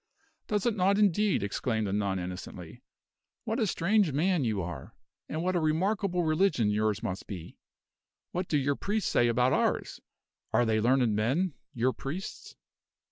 "Does it not, indeed?" exclaimed the nun, innocently. "What a strange man you are! and what a remarkable religion yours must be! What do your priests say about ours? Are they learned men, your priests?"